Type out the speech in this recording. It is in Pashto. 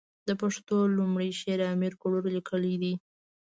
د پښتو لومړنی شعر امير کروړ ليکلی ده.